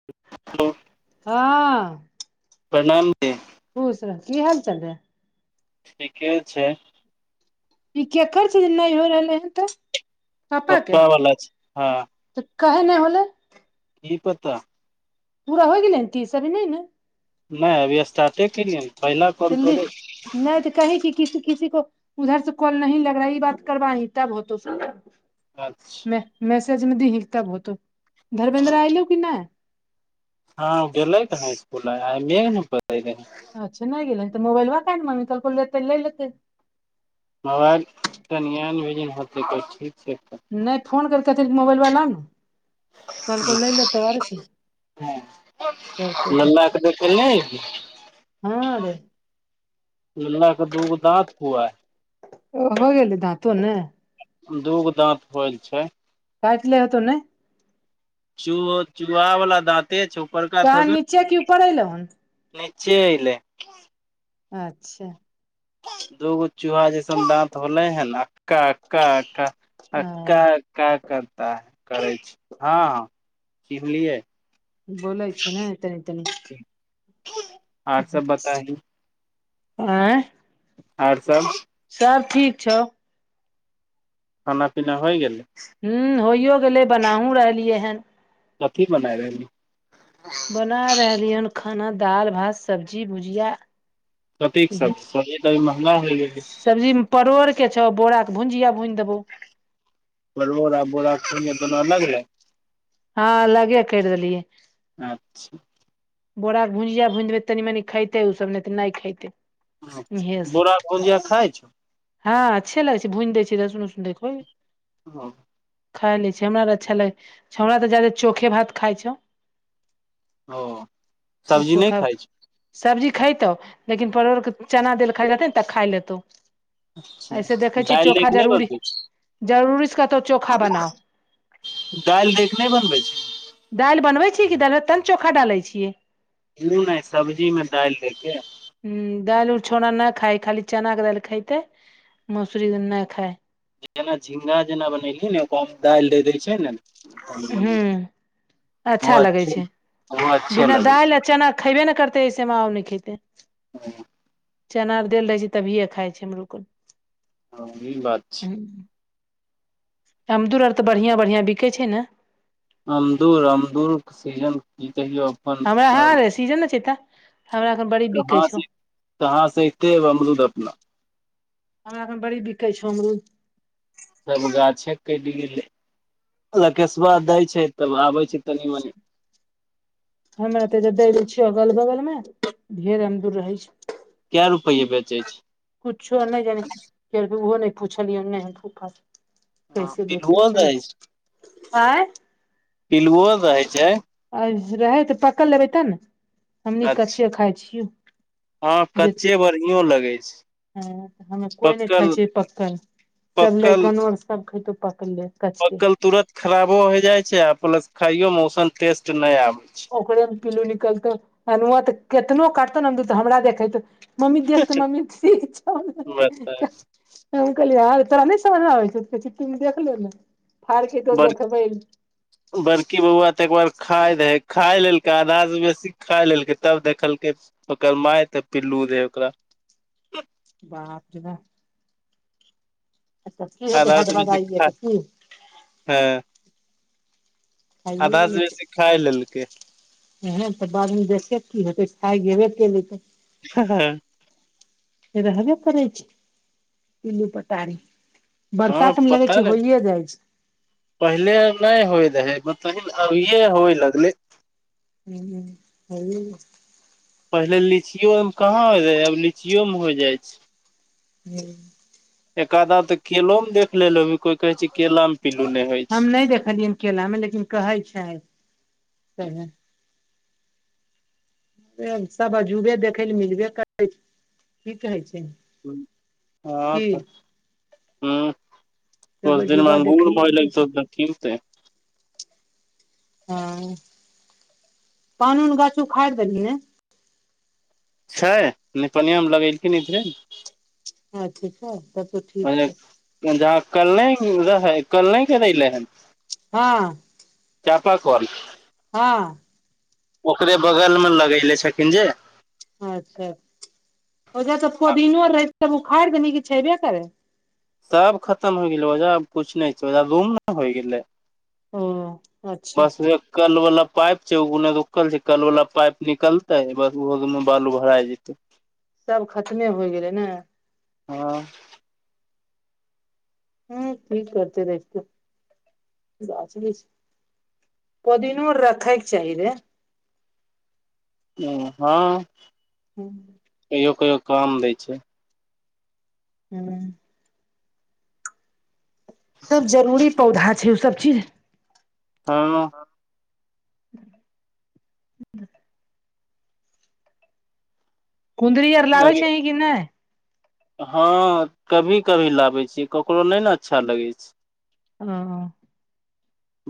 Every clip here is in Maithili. [unintelligible] का प्रणाम [unintelligible] खुश रह की हाल चाल हैं। ठीके छै। ई केकर छै जे नई होइया नई होते, पप्पा वलाा छै हँ। तऽ काहे नय होलै की पता पूरा होय गेलै की सदमे मैं। नइ अभी स्टार्टे केलियै पहिला कॉल कम करोड़े नय तऽ कही की किसी -किसी को उधर से कॉल नी लग रहा ई बात करबाानी तब होतो कॉल अच्छा मेसज मे दिही तब होतो धर्मेंद्रा आइलो की नय। हँ गेलेलै कहाँ इकूल आई मेघ [inaudible] अच्छा नय गेलै त मोबइलबा वकै ने म लै तै लतै मोबाइल तनियज होतै तऽ ठीक छै, त नहि फोन कर केथि मोबाइलबा लांँ आन कल को लै लेत आर की [inaudible] गेलै हँ रे ल्ला क दूगो दाँत हुआ ओ हो गेल धाँतो ने दुगौ दाँत होल छै। काईटले हतौ ने चुहो चुहा वला दाँते छो, उपड़का कहाँ थस नीचे कि ऊपर एलौ हन निचे अइलै अच्छा दूगो चूहा जैसन दाँत होले है न, कक्का - कक्का ह हकक्का का करता है, करै छी, हँ - हँ कि बुलियै बोलै छै ने, तनी - तनी आर सब बता ही आँ आर सब सब ठीक छौ। खाना पीना होइ गेलै। हू होइयो गेलै, बनाहुँ रहलियै हन कथी बनायई रहलि। बना रहलियै हन खाना दाईल भात सब्जी भुजिया कतीक इहे सब्जी - सब्जी त अभी महँंगा होइ गेली, परोर के छौ, बोराके भुजिया भुन देबौ। परौर और बोरा के भुजिया दुोनो अलग भेलै। ह अलगे कैर दलिये। अच्छा बोरा भुजिया भुजबै तनि मनि खेतै ओसभ नई तऽ नई खेतै। बोरा भुजिया खाइ छौ। हँ अच्छे लागै छै, भुंज दै छै, देख सुन - सुन देखइ ह खाए लै छ, हमरा अच्छा लगै हमरा तऽ छोरा जादे चोखे भात खाइ छौ। ओ सब्जी नहि चोखा खाइ छ सब्जी खैतौ लेकिन परोरके चना देल खाए रहते ने तऽ खाय लेतौ छै ऐसे देखै छियै दालि चोखा दैके नहि जरूरी बनबै जरूरी स कहतौ चोखा बनाउ दाइर दै के नहि बनबै छी दालि बनबैत छी कि दैल तऽ ने चोखा डालैत छियै ऊ नहि सब्जीमे दाइल दैके ह दाइल उल छोड़ा नहि खाय खाली चना के दाइल खैते मोसरी नहि खाय जेना झिंगा जेना बनेलियै ने ओकम दाइल द दै छै ने कनी मनी हूं ओ अच्छा लगै अच्छे छै ओहो अच्छे बिना लगै दाइल चना खयबे ने करतै ऐसे में और नहि खैते हु चना आर‌ देल रहै छै तभियै खाइ छै हमरो हँ ई बात छै। अमदुर अब तऽ बढ़िआं बढ़िआँ बिकै छै ने। अमदुर अमदुरके सीजन की कहियौ अपन हमरा यहाँ सब रे सीजन नहि छैय तऽ हमरा एखन बड़ी बिकै कहाँ से छौ कहाँ से एते अमरूद अपना हमराखन बड़ी बिकै छौ हमरूद तब गाछै कटि गेलै रकेशबा दै छै तब आबैत छै तनी-मनि हमरा तऽ जे दै दय छियौ अगल-बगल में ढेरे अमदूर रहै छी केऽ रुपयै बेचै छी। कुछो नहि जानि कियो नै ओहो नहि पुछलियै फुफा से हँ कैसे पिलुओ बैचय रहै छी। आँय पिलुवो रहै छै। आ रहै तऽ पकल लेबै तऽ ने हमनी अच्छा कच्चे खाइ छियौ हँ जे कच्चे बढ़ियो लगै छै ह हमे कोइ नहि पक्कल खाइ छी पक्कल सब पक्कल लैकंवो सब खैतो पकले, कचके पकल तुरत खराबो होय जाय छै आ प्लस खाइयो मे औसन टेस्ट नहि आबे छै ओकरे मे पिल्लू निकलतउ अनुवा तऽ केतनो कटतै अमदुत हमरा देखेत मम्मी देखतऽ छै मम्मी [unintelligible] हम कहलिये आर तोरा नहि समझ आबै छै चिट्ठीमे देखल ने फारके तो बड़ देखबै बड़की बौआ तऽ एकबार खाय रहै खाय लेलकै आधा से बेसी खाय लेलकै तब देखलकै ओकर माय तऽ पिल्लू रहै ओकरा बाप रे बा अच्छा की होतै आधा से बेसी हैदबादयै ऐ खा तऽ की हँ खाइये आधा सऽ बेसी खाय लेलकै इहे तऽ बादमे देखे की होेतै खाय गेबे के ले तऽ ह ह से रहबे करै छै पिलु-पटारी बरसात मे लगे पता छै नहि होइए जाइ छै पहिले नहि होइ रहै मतलब अभिये होइ लगले हू [unintelligible] पहिले लीचियो मे कहाँ होय रहे आब लीचियो मे होइ जाइ छै [unintelligible] एक आधा तऽ केलो मे देख लेलो कोई कहे छै केला पिल्लू नहि होइ हम नहि देखलियनि केला मे लेकिन कहै छै [unintelligible] सब अजूबे देखै लए मिलबे करै छै की कहै छै। हँ की तऽ हँ। सब ओस दिन अजूबा अंगूर देखै लए मोइ मिलै लऽ छै दिन कीमतै हँ पान ऊन गाछ उखाड़ि देलियै ने? छै। निपनिया में लगेलखिन इधरे। अच्छा छै। तब तऽ ठीक छै। जहाँ कल नहि रहै, कल नहि गरेलै हन। हँ। चापाकल। हँ। ओकरे बगल मे लगेले छथिन जे। अच्छा, ओज त पोदिनो रहै त उखाड़ि देनी कि छेबे करै? सब खतम होइ गेलै। ओहिजाँ किछु नहि छै ओजाँ रूम ने होइ गेलै। ओ अच्छा [unintelligible] कल वाला पाइप छै। उगनेकल छै कल वाला पाइप निकलते बस ओहो दु बालू भरा जेते। [inaudible] सब खतमे होइ गेलै ने? हँ। ह की करते रेख के गाछ बिछ। पोदिनो रखैके चाही रहे। ह हँ। हूँ। कहियो कहियो काम दै छै। हँ। सब जरूरी पौधा छै ओसब चीज हँ। ह कुन्दरी आर लाबै अभी छैही की नहि? हँ कभी कभी लाबै छिय ककरो नहि ने अच्छा लगै छै। ओ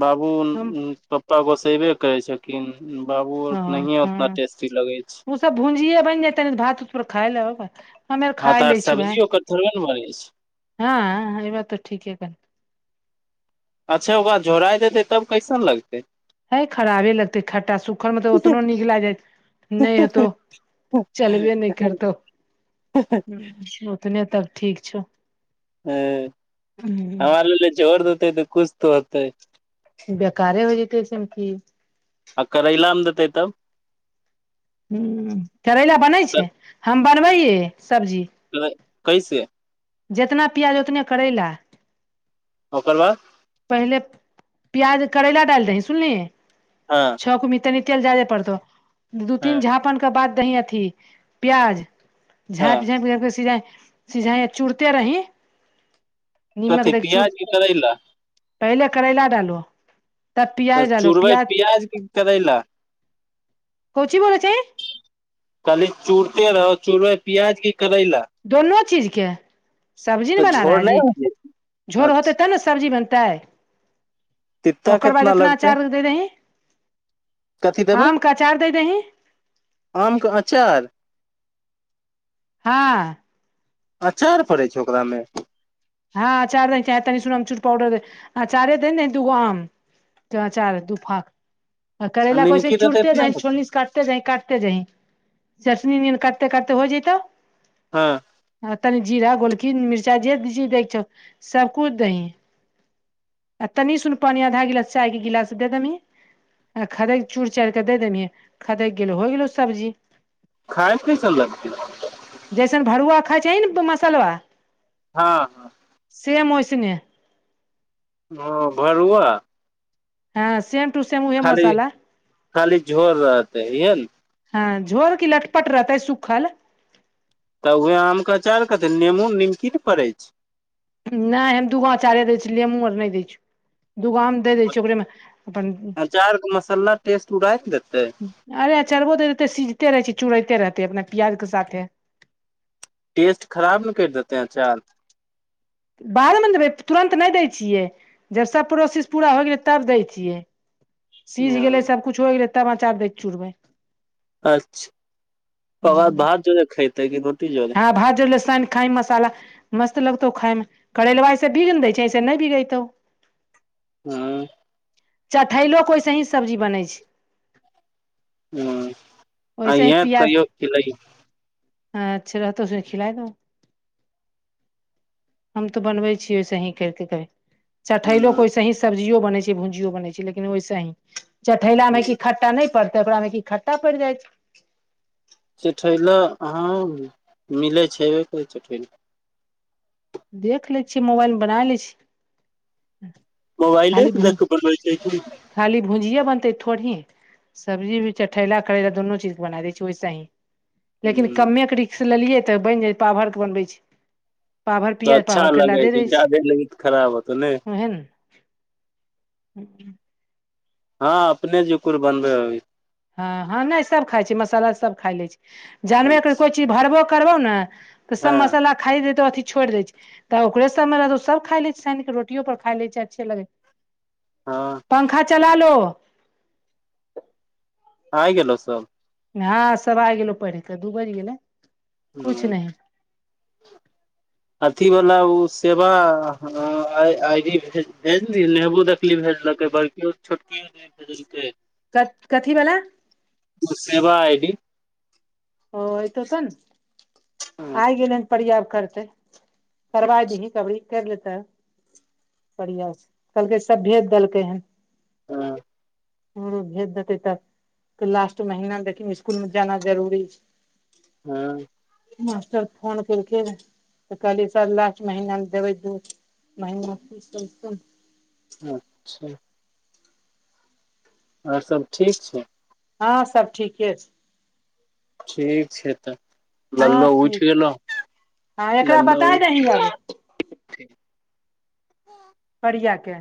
बाबून, पप्पा गोस्सैबे करय छथिन। बाबू आओरके नहिऐं ओतना टेस्टी लगै छै। तब भुंजिये बनि जेतय नहि तऽ भात-उत पर खाय लेब [unintelligible] हँ तऽ आर सब्जी ओकर थोड़बे ने बनय छै। हँ एहिबात तऽ ठीके कह अच्छा ओकरा झोराइ देतै तब कैसन लगतै? हे खराबे लगतै खट्टा सुखल मे तऽ ओतनहो नीक लग जायइत। नहि हेतौ चलबे नहि करतौ। उतने तब ठीक छौ। हें, हमरा लेगलै झोड़ देतै तऽ कुछ तऽ होतै। बेकारे होइ जेतै [unintelligible] आ करैला मे देतै तब? हुं करैला बनै छै हम बनबै हिये सब्जी। [unintelligible] कैसे? जेतना पियाज उतनै करैला ओकर बाद। पहिले प्याज करैला डालि दिही सुनलिही। हँ। छौंकय मे तनी तेल जादे पड़तौ दू हँ तीन झापन के बाद दीही अथी प्याज हँ झाइप झाइप कैरके सीझाय सिझाही आ चुड़ते रही। निमक कथी दैके चूड़ पियाज की करैला? पहिले करैला डालो। तब तऽ प्याज डालो चूरबै प्याज पियाज की करैला? कोन चीज बोलय छिही? कहली चूरते रहो चूरबै प्याज की करैला? दुनो चीजके। सब्जी ना तऽ बना रहा झोर है नहि जी होतै झोड़ होतै अच्छा तब ने सब्जी बनतै। कित्ता ओकर बाद केतना इतना लगतै अचार दे दही कथी देबै? आम के अचार दे दही आमके अचार। हँ। अचार पड़ै छै ओकरामे? हँ अचार दिही चाहे तनी आमचूड़ उमचुड़ पाउडर दिही आचारे दिही नय दुगो आम। जौ अचार हौ दू फाॅंक आ करैलाक वैसे निमकी देतै चूड़ते तऽ जाहीं नहि होतै छोलनी स काटते काटते जाहीं काटते जाहीं चटनी जेहन काटते काटते हो जयतौऽ हँ। आ तनी जीरा गोलकी मिर्चाइ जे जी दैके छौ सबकिछु दहीं। आ तनी सुन पानि आधा गिलास चाय के गिलास से दे दनी आ खदकि चूइड़ चाड़िकऽ दऽ देभि खदकि गेलो होइ गेलो सब्जी। खायमे कैसन लगते। जैसन भरुआ खाइ छहीं ने मसलबा हँ हँ। सेम ओइसने। हँ भरुआ। हँ सेम टू सेम उहे खाली मसाला खाली झोर रहतै इहा ने। हँ झोर की लटपट रहतै सुखल। तऽ उएह आमके अचारके कथि ला नेमो निमकी ने पड़ै छै। नहि हम दूगो अँचारे दै छलियै नेमू आर नहि दै छियो दूगो आम दे दै छियै ओकरेमे अपन अचार के मसाला टेस्ट उड़ाय ने देतै। अरे अचरबो दे दैते सिझिते रहै छियै चुड़ैते रहतै अपना पियाजके साथे। टेस्ट खराब ने करि देतेैं अचार। बाद में देबै तुरन्त नहि दै छियै। जब सब प्रोसेस पूरा हो गेलै तब दैछीयै। सीझ हँ गेलै सबकुछ हो गेलै तब अचार दै चुुरबै। अच्छा ओकरा बाद भात जरे खातै कि रोटी जरे। भाज जरे सइन क खाही मसाल मस्त लगतौ खायइमे कर लाइसे बिग ने दै छै ऐसे नहि बिगतौ। हँ। चठैलो को ओसे ही सब्जी बनै छै। हँ ओहिसे ही अइहे पियाज कहियो खिलै हँ। अच्छा रहतो से खिलाय द। हम तऽ बनबै छीयै ऐसे ही करिके कहबै। चठैलोक के ह वैसे ही सब्जियो बन छै भुंजियो बन छै लेकिनैसही चठैला मे की। खट्टा नहि प परतै ओकरामे की खट्टा पड़ि जाय छै। चठैला अहाँ मिलै छेबे करै चठैल। देख लै छियै मोबाइल मे बना लै छी। मोबइले खाली स भूज देख क बनबे छीए की। खाली भुजिए बनतै थोड़ी। सब्जी भी चठैला करैला दुनू चीज बना दैत छी वैसे ही। हूं लेकिन कममेक रस लेलियै तऽ बनि जाइै पावर के बनबै छै। पावभर पि तऽ अच्छा पभर करे ल लगै देने छै जादे लगी तऽ खराब होतौ ने ओहे न। [inaudible] हँ अपने जकुर बनबे होई। हँ हँ नहि सभ खाइ छी मसाला सब खा लै छी जानबे कर कोइ चीज भरबो करबौ नै। तऽ सब हँ मसाला खाइ दे त अथि छोड़ि दै छै। तऽ ओकरे सबमे रह सब खाय ले छै साइनक रोटियो पर खााय ले छै अच्छे लगे। हँ। पंखा चला लो। आ गेलौ सब। हँ सब आ गेलो पहिढ़ क दू बज गेले कुछ हूं नही। [inaudible] अथी वला ओ सेवा आई डी भेज भेज द नेहबू। भेजलकै बड़कियो छोटकियो नई भेजलकै। क कथीवला। सेवा आइडी। ओत त सून हँ आइ गेलन ने परयाब करतै। करबा दही कबरी करि लेते बढ़िया से कहलकै सब भेज देलकै हन। हँ। भेज देतै तबऽ लास्ट महीना देख स्कुल मे जाना जरूरी छे। हँ। मास्टर फोन केलकिन तऽ कहलियै सर लास्ट महीना देबै दूध। महिना। [unintelligible] अच्छा। आर सब ठीक छै। हँ सब ठीके छै। ठीक छै तऽ हँ लल्लहो उठ ठीक गेलो। हँ एकरा लल्लो बताय दही आब उइठ। परिया के।